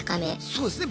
そうですね。